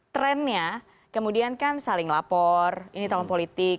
trendnya kemudian kan saling lapor ini tahun politik